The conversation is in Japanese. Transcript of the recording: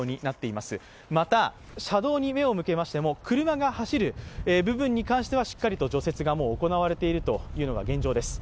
また車道に目を向けましても車が走る部分に関してはしっかりと除雪が行われているのが現状です。